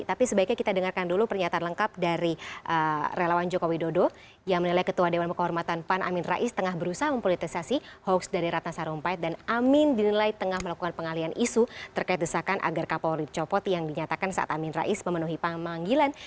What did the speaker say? tapi sebaiknya kita dengarkan dulu pernyataan lengkap dari relawan jokowi dodo yang menilai ketua dewan kehormatan pan amin rais tengah berusaha mempolitisasi hoax dari ratna sarumpait dan amin dinilai tengah melakukan pengalian isu terkait desakan agar kapolri dicopot yang dinyatakan saat amin rais memenuhi panggilan